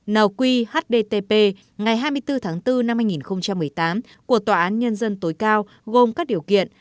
nq hdtp ngày hai mươi bốn tháng bốn năm hai nghìn một mươi tám của tòa án nhân dân tối cao gồm các điều kiện